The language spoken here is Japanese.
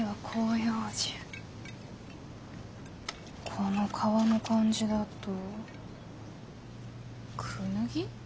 この皮の感じだとクヌギ？